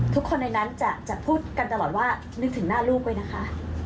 ทุกคนในนั้นจะพูดกันตลอดว่านึกถึงหน้าลูกด้วยนะคะ